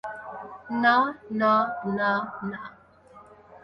না না না না!